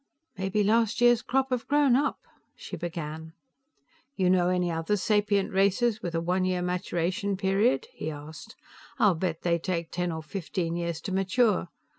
"Maybe last year's crop have grown up," she began. "You know any other sapient races with a one year maturation period?" he asked. "I'll bet they take ten or fifteen years to mature.